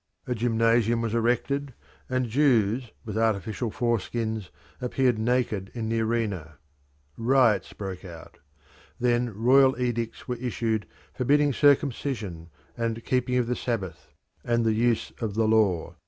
A gymnasium was erected, and Jews with artificial foreskins appeared naked in the arena. Riots broke out. Then royal edicts were issued forbidding circumcision, and keeping of the Sabbath, and the use of the law.